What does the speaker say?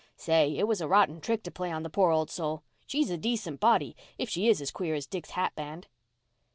Say, it was a rotten trick to play on the poor old soul. She's a decent body, if she is as queer as Dick's hat band."